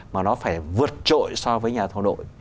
mà nó phải vượt trội so với nhà thầu đội